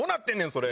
それ。